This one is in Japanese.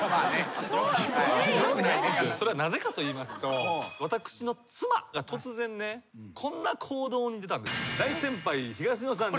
それはなぜかといいますと私の妻が突然ねこんな行動に出たんです。